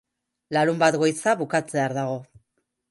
Larunbat goiza bukatzear dago.